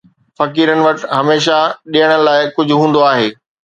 فقيرن وٽ هميشه ڏيڻ لاءِ ڪجهه هوندو آهي.